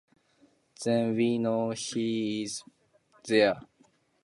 Then we know he is there.